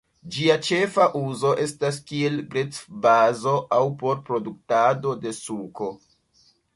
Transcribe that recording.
Ĝia ĉefa uzo estas kiel gretfbazo aŭ por produktado de suko.